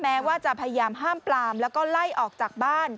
แม้ว่าจะพยายามห้ามปลามแล้วก็ไล่ออกจากบ้าน